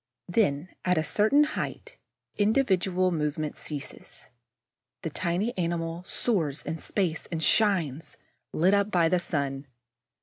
Then, at a certain height, individual movement ceases. The tiny animal soars in space and shines, lit up by the sun.